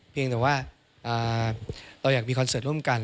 เพียงแต่ว่าเราอยากมีคอนเสิร์ตร่วมกัน